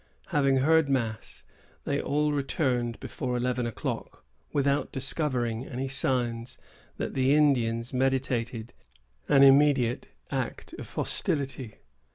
Having heard mass, they all returned before eleven o'clock, without discovering any signs that the Indians meditated an immediate act of hostility.